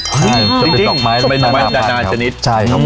จริงมีต้นไม้ใจนานจนิด